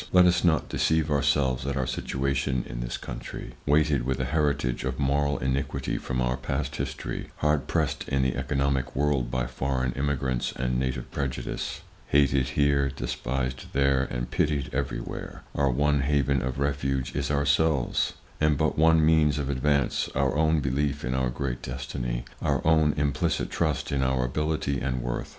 Let us not deceive ourselves at our situation in this country. Weighted with a heritage of moral iniquity from our past history, hard pressed in the economic world by foreign immigrants and native prejudice, hated here, despised there and pitied everywhere; our one haven of refuge is ourselves, and but one means of advance, our own belief in our great destiny, our own implicit trust in our ability and worth.